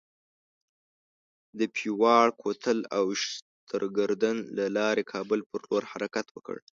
د پیواړ کوتل او شترګردن له لارې کابل پر لور حرکت وکړ.